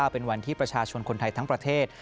เป็นวันที่ประชาชนคนไทยทั้งประเทศ